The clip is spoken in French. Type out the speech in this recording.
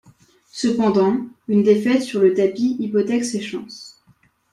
Cependant, une défaite sur le tapis hypothèque ses chances.